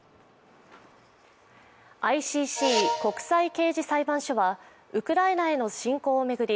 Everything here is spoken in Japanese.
ＩＣＣ＝国際刑事裁判所はウクライナへの侵攻を巡り